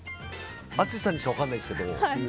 淳さんにしか分からないですけど。